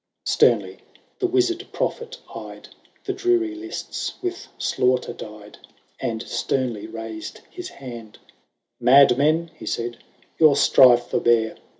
XXVI. *« Sternly the Wizard Prophet eyed The dreary lists with slaughter dyed, And sternly raised his hand :—' Madmen,* he said, * your strife forbear